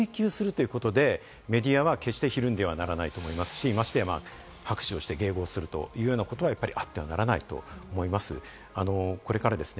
そこを追及するということで、メディアはけして怯んではならないと思いますし、ましてや拍手をして迎合するというようなことはあってはならないと思います。